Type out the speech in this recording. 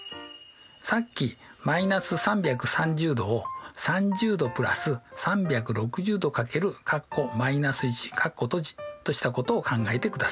さっき−３３０°を３０°＋３６０°×としたことを考えてください。